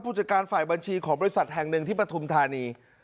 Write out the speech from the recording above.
จัดการฝ่ายบัญชีของบริษัทแห่งหนึ่งที่ปฐุมธานี